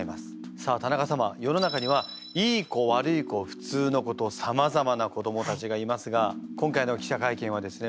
さあ田中様世の中にはいい子悪い子ふつうの子とさまざまな子どもたちがいますが今回の記者会見はですね